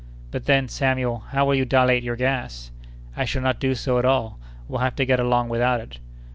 "But then, Samuel, how will you dilate your gas?" "I shall not do so at all. We'll have to get along without it."